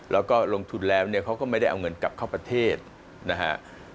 แล้วก็ลงทุนแล้วเนี่ยเขาก็ไม่ได้เอาเงินกลับเข้าประเทศนะฮะ